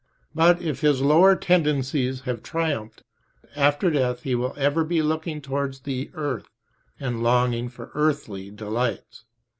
But if his lower tendencies have triumphed, after death he will ever be looking towards the earth and longing for earthly delights.